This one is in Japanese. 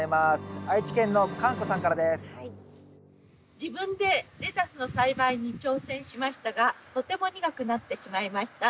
自分でレタスの栽培に挑戦しましたがとても苦くなってしまいました。